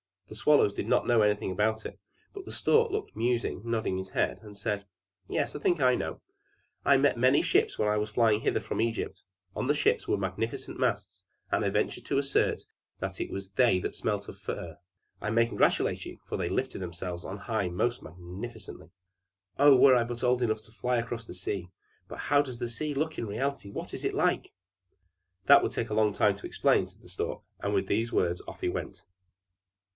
The swallows did not know anything about it; but the Stork looked musing, nodded his head, and said, "Yes; I think I know; I met many ships as I was flying hither from Egypt; on the ships were magnificent masts, and I venture to assert that it was they that smelt so of fir. I may congratulate you, for they lifted themselves on high most majestically!" "Oh, were I but old enough to fly across the sea! But how does the sea look in reality? What is it like?" "That would take a long time to explain," said the Stork, and with these words off he went.